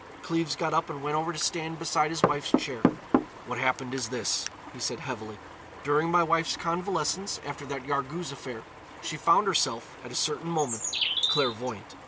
Cleves got up and went over to stand beside his wife's chair. "What happened is this," he said heavily. "During my wife's convalescence after that Yarghouz affair, she found herself, at a certain moment, clairvoyant.